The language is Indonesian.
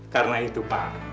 karena itu pak